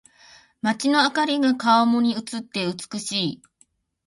街の灯りが川面に映って美しい。